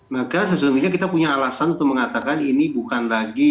maka sesungguhnya kita punya alasan untuk mengatakan ini bukan lagi